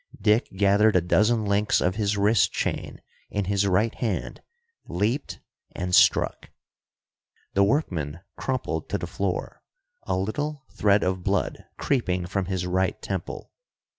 Dick gathered a dozen links of his wrist chain in his right hand, leaped and struck. The workman crumpled to the floor, a little thread of blood creeping from his right temple.